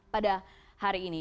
pada hari ini